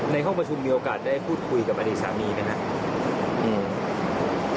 ในห้องประชุมมีโอกาสได้พูดคุยกับอดีตสามีไหมครับ